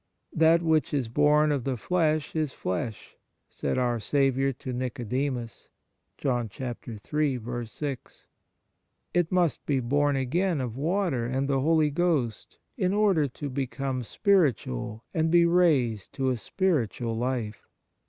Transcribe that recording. That which is born of the flesh is flesh," 2 said our Saviour to Nicodemus; it must be born again of water and the Holy Ghost in order to become spiritual and be raised to a spiritual life.